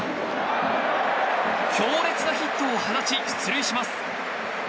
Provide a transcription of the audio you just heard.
強烈なヒットを放ち出塁します。